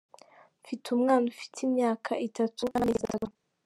Mfite umwana, ufite imyaka itatu n'amezi atatu.